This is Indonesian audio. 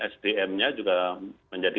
sdm nya juga menjadi